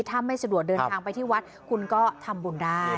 ถ้าไม่สะดวกเดินทางไปที่วัดคุณก็ทำบุญได้